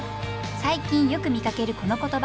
最近よく見かけるこの言葉。